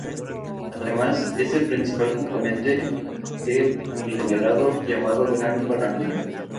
Además, es el principal componente del aglomerado llamado Gran Paraná.